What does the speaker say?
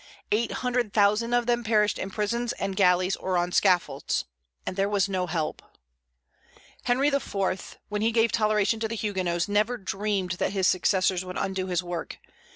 Eight hundred thousand of them perished in prisons and galleys or on scaffolds, and there was no help. Henry IV., when he gave toleration to the Huguenots, never dreamed that his successors would undo his work.